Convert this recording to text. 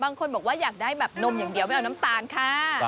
บางคนบอกว่าอยากได้แบบนมอย่างเดียวไม่เอาน้ำตาลค่ะ